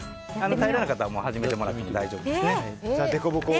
平らな方は始めてもらっても大丈夫です。